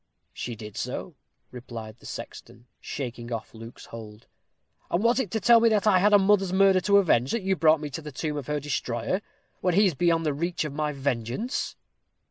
"She did so," replied the sexton, shaking off Luke's hold. "And was it to tell me that I had a mother's murder to avenge, that you brought me to the tomb of her destroyer when he is beyond the reach of my vengeance?"